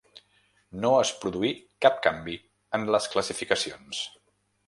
No es produí cap canvi en les classificacions.